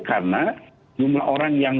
karena jumlah orang yang